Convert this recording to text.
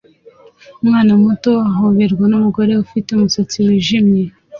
Umwana muto uhoberwa numugore ufite umusatsi wijimye